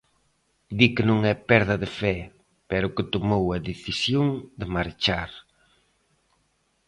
Di que non é perda de fe, pero que tomou a decisión de marchar.